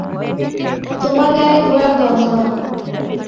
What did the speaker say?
তোমার গায়ে ঘোড়ার গন্ধ।